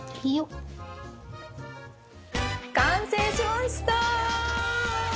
完成しました。